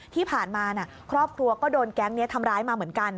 ที่ผ่านมาครอบครัวก็โดนแก๊งนี้ทำร้ายมาเหมือนกัน